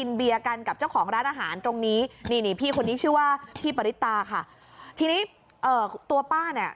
ทีนี้นี่พี่คนนี้ชื่อว่าพี่ปริตาค่ะทีนี้เอ่อตัวป้าเนี่ย